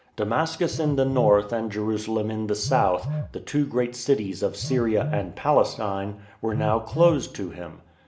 Damas cus in the north and Jerusalem in the south (the two great cities of Syria and Palestine) were now closed to him.